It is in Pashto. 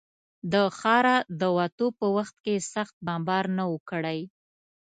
د ښاره د وتو په وخت کې یې سخت بمبار نه و کړی.